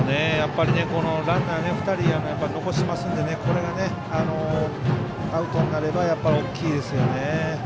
ランナー２人残しますのでこれがアウトになれば大きいですよね。